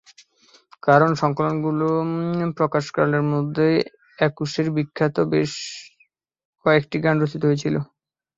কারণ, সংকলনগুলো প্রকাশকালের মধ্যেই একুশের বিখ্যাত বেশ কয়েকটি গান রচিত হয়েছিল।